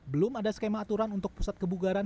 belum ada skema aturan untuk pusat kebugaran